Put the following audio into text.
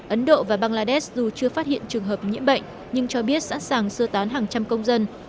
ấn độ và bangladesh dù chưa phát hiện trường hợp nhiễm bệnh nhưng cho biết sẵn sàng sơ tán hàng trăm công dân